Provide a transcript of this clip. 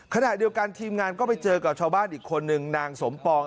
ขณะเดียวกันทีมงานก็ไปเจอกับชาวบ้านอีกคนนึงนางสมปอง